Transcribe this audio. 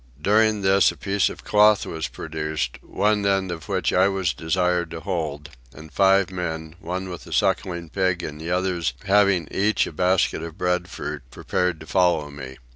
During this a piece of cloth was produced, one end of which I was desired to hold, and five men, one with a sucking pig and the others having each a basket of breadfruit, prepared to follow me.